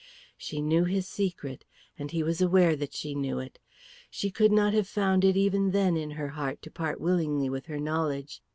She knew his secret, and he was aware that she knew it. She could not have found it even then in her heart to part willingly with her knowledge.